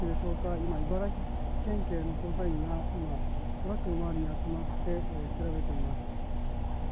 今、茨城県警の捜査員がトラックの周りに集まって調べています。